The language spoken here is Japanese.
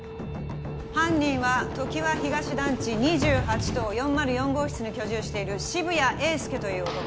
犯人はときわ東団地２８棟４０４号室に居住している渋谷英輔という男